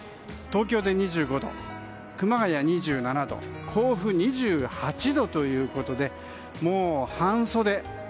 東京で２５度、熊谷は２７度甲府で２８度ということでもう半袖。